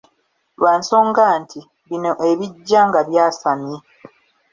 Lwa nsonga nti, bino ebijja nga byasamye.